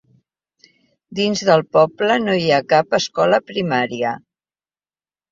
Dins del poble no hi ha cap escola primària.